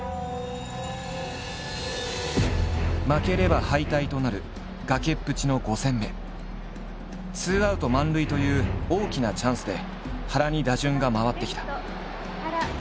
負ければ敗退となる崖っぷちのツーアウト満塁という大きなチャンスで原に打順が回ってきた。